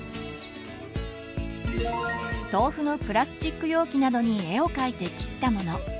豆腐のプラスチック容器などに絵を描いて切ったもの